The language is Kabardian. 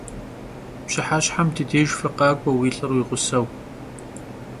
Pşıheşhem di dêjj fıkhak'ue vui lh'ır vuiğuseu.